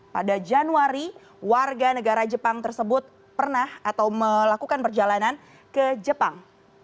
pada januari warga negara jepang tersebut pernah atau melakukan perjalanan ke jepang